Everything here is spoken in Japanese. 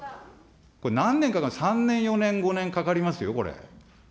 これ、何年かかる、３年、４年、５年、かかりますよ、これ。